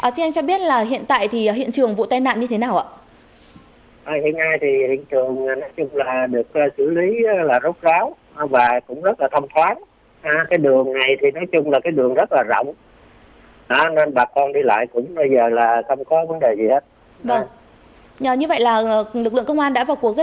xin chào đại tá lê trung hoàng